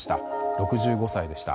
６５歳でした。